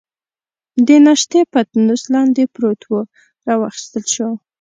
د ناشتې پتنوس لاندې پروت وو، را واخیستل شو.